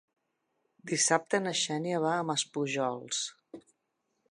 Dissabte na Xènia va a Maspujols.